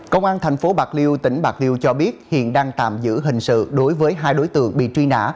công an thành phố bạc liêu tỉnh bạc liêu cho biết hiện đang tạm giữ hình sự đối với hai đối tượng bị truy nã